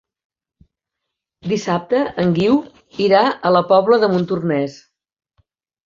Dissabte en Guiu irà a la Pobla de Montornès.